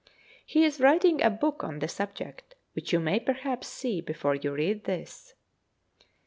He is writing a book on the subject, which you may perhaps see before you read this.